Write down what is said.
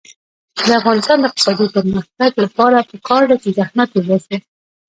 د افغانستان د اقتصادي پرمختګ لپاره پکار ده چې زحمت وباسو.